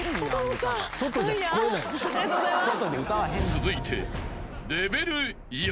［続いて］